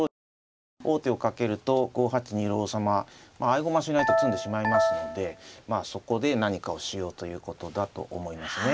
王手をかけると５八にいる王様合駒しないと詰んでしまいますのでそこで何かをしようということだと思いますね。